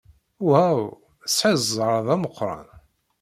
Waw! Tesɛid zzheṛ d ameqran.